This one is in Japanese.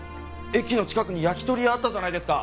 駅の近くに焼き鳥屋あったじゃないですか。